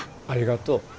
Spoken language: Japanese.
ありがとう。